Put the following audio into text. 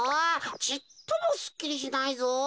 ちっともすっきりしないぞ。